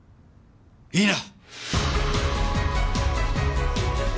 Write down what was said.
いいな！